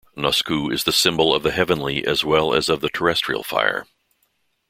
Nusku is the symbol of the heavenly as well as of the terrestrial fire.